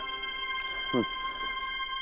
うん。